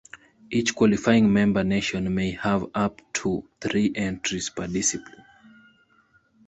Each qualifying member nation may have up to three entries per discipline.